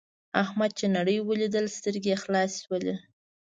احمد چې نړۍ ولیدله سترګې یې خلاصې شولې.